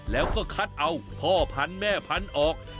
แล้วก็คัดเอาพ่อพันธุ์แม่พันธุ์ออก